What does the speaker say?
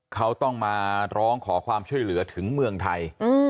เขาต้องมาร้องขอความช่วยเหลือถึงเมืองไทย